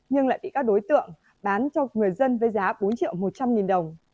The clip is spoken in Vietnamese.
nhưng lại bị các đối tượng bán cho người dân với giá bốn triệu một trăm linh nghìn đồng